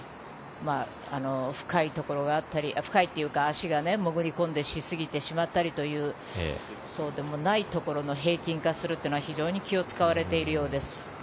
深いところがあったり深いというか足が潜り込んでしまったりそうでもないところの平均化するというのは非常に気を使われているようです。